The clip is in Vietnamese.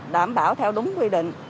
đảm bảo theo đúng quy định